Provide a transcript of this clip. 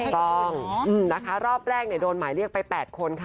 ต้องนะคะรอบแรกโดนหมายเรียกไป๘คนค่ะ